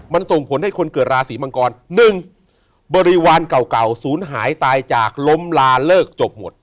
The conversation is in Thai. มันส่งผลให้คนเกิดราศีมังกร๑บริวารเก่าศูนย์หายตายจากล้มลาเลิกจบหมด